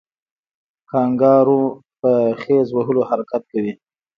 کانګارو په خیز وهلو حرکت کوي